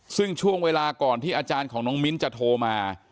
ซึ่งช่วงเวลาก่อนที่อาจารย์ของน้องมิ้นจะโทรมา